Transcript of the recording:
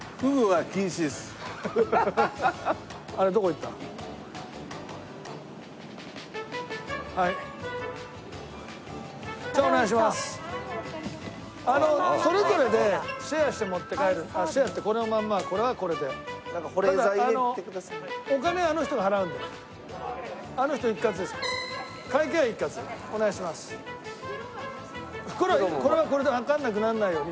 袋はこれはこれでわかんなくならないように。